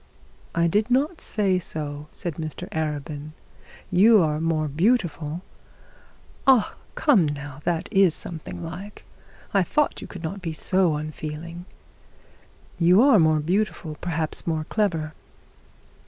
'I did not say so,' said Mr Arabin; 'you are more beautiful ' 'Ah, come now, that is something like. I thought you would not be so unfeeling.' 'You are more beautiful, perhaps more clever.'